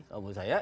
kalau menurut saya